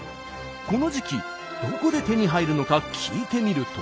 この時期どこで手に入るのか聞いてみると。